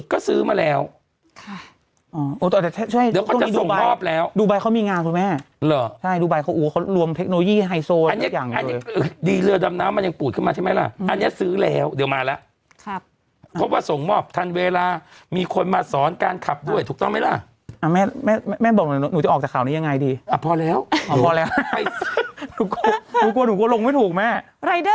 ก็เมื่อกี้แม่จะทำการแสดงโลกสวยใส่หนูอีกเลยพอหนูน่าว